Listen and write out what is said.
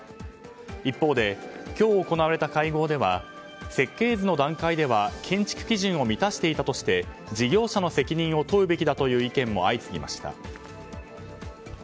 一方で、今日行われた会合では設計図の段階では建築基準を満たしていたとして事業者の責任を問うべきだという意見も相次ぎました。